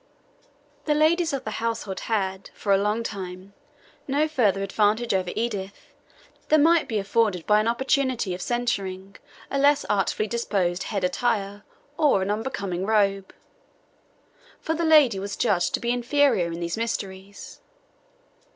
The ladies of the household had, for a long time, no further advantage over Edith than might be afforded by an opportunity of censuring a less artfully disposed head attire or an unbecoming robe; for the lady was judged to be inferior in these mysteries.